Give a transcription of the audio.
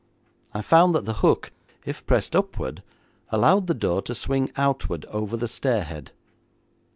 I found that the hook, if pressed upward, allowed the door to swing outward, over the stairhead.